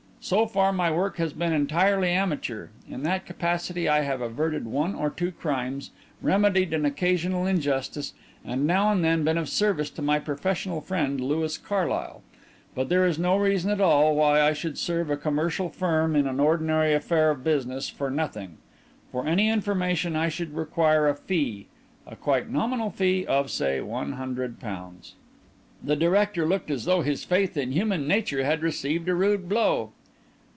"So far my work has been entirely amateur. In that capacity I have averted one or two crimes, remedied an occasional injustice, and now and then been of service to my professional friend, Louis Carlyle. But there is no reason at all why I should serve a commercial firm in an ordinary affair of business for nothing. For any information I should require a fee, a quite nominal fee of, say, one hundred pounds." The director looked as though his faith in human nature had received a rude blow.